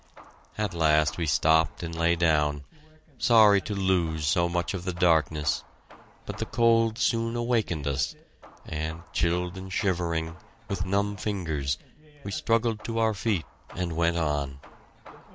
At last we stopped and lay down, sorry to lose so much of the darkness, but the cold soon awakened us, and, chilled and shivering, with numb fingers, we struggled to our feet and went on.